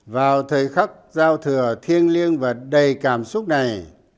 vào thời khắc giao thừa thiêng liêng và đầy cảm xúc này